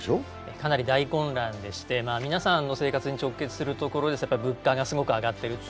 かなり大混乱でして、皆さんの生活に直結するところですと、物価がすごく上っていると。